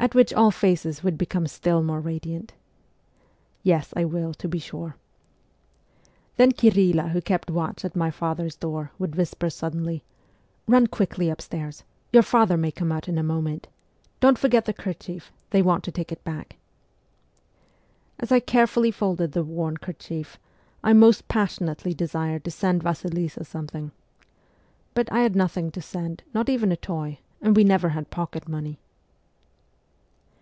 At which all faces would become still more radiant. * Yes, I will, to be sure.' Then Kirila, who kept watch at father's door, would whisper suddenly, ' Kun quickly upstairs ; your father may come out in a moment. Don't forget the kerchief ; they want to take it back.' As I carefully folded the worn kerchief, I most passionately desired to send Vasilisa something. But I had nothing to send, not even a toy, and we never had pocket money.